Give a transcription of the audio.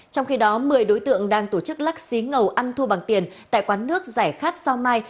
trong khi đó một mươi đối tượng đang tổ chức lắc xí ngầu ăn thua bằng tiền tại quán nước giải khát sao mai